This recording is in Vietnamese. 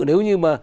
nếu như mà